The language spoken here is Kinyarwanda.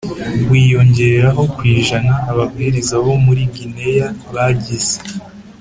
wiyongeraho ku ijana Ababwiriza bo muri Gineya bagize